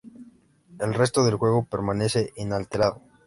El resto del juego permanece inalterado.